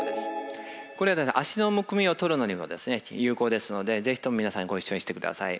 これは足のむくみをとるのには有効ですので是非とも皆さんご一緒にしてください。